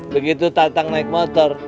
begitu tatang naik motor